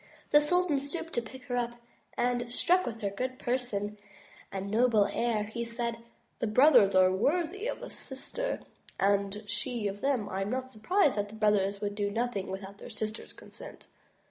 The sultan stooped to pick her up, and, struck with her good person, and 75 M Y BOOK HOUSE noble air, he said: "The brothers are worthy of the sister and she of them; I am not surprised that the brothers would do nothing without their sister's consent."